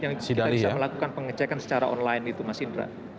yang kita bisa melakukan pengecekan secara online itu mas indra